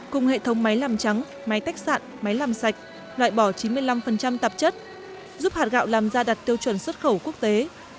cùng hệ thống máy làm trắng máy tách máy làm sạch loại bỏ chín mươi năm tạp chất giúp hạt gạo làm ra đặt tiêu chuẩn xuất khẩu quốc tế